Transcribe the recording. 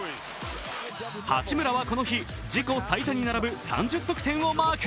八村はこの日、自己最多に並ぶ３０得点をマーク。